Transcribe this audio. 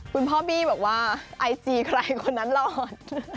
คุณพ่อบี้บอกว่าไอจีใครคนนั้นหลอน